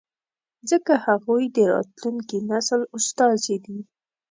ځکه هغوی د راتلونکي نسل استازي دي.